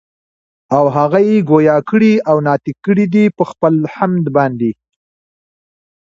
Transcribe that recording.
او هغه ئي ګویا کړي او ناطق کړي دي پخپل حَمد باندي